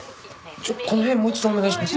ちょっこの辺もう一度お願いします。